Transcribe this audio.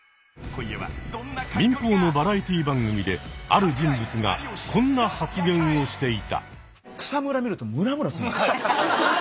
民放のバラエティー番組である人物がこんな発言をしていた。